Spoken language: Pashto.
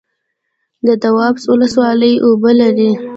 د دواب ولسوالۍ اوبه لري